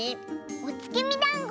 おつきみだんご。